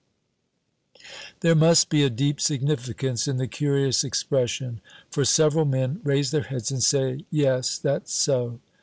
There must be a deep significance in the curious expression, for several men raise their heads and say, "Yes, that's so."